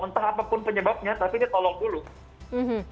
entah apapun penyebabnya tapi dia tolong dulu